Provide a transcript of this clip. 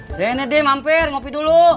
sini deh mampir ngopi dulu